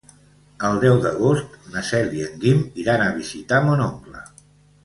El deu d'agost na Cel i en Guim iran a visitar mon oncle.